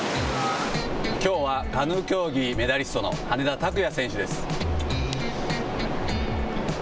きょうはカヌー競技メダリストの羽根田卓也選手です。